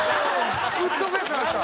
ウッドベースになった！